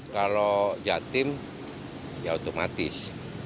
kalau jatim ya otomatis